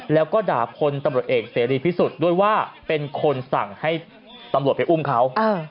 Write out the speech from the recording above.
แล้วก็ด่าพลตำรวจเอกเสรีพิสุทธิ์ด้วยว่าเป็นคนสั่งให้ตำรวจไปอุ้มเขา